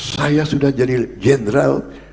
saya sudah jadi general